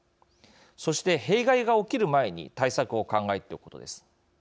そして、弊害が起きる前に対策を考えておくことです。